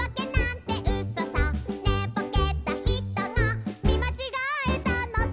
「ねぼけたひとがみまちがえたのさ」